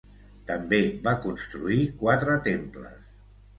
També va construir quatre temples.